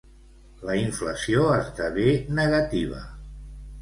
La inflació esdevé negativa.